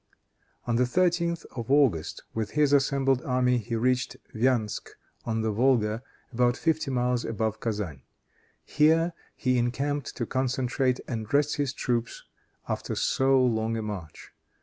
On the 13th of August, with his assembled army, he reached Viask on the Volga, about fifty miles above Kezan. Here he encamped to concentrate and rest his troops after so long a march.